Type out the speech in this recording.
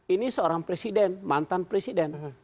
ini seorang presiden mantan presiden